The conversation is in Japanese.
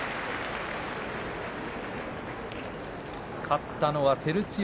勝ったのは照強。